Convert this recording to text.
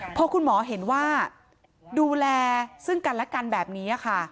พอคุณหมอเห็นว่าดูแลซึ่งกันและกันแบบนี้ค่ะ